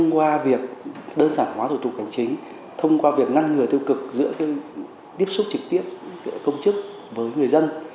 qua việc đơn giản hóa thủ tục hành chính thông qua việc ngăn ngừa tiêu cực giữa tiếp xúc trực tiếp công chức với người dân